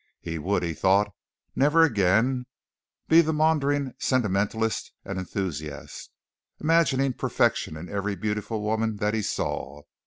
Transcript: He would he thought never again be the maundering sentimentalist and enthusiast, imagining perfection in every beautiful woman that he saw.